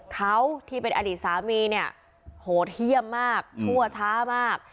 เขาที่เป็นอดีตสามีเนี่ยโหดเยี่ยมมากชั่วช้ามาก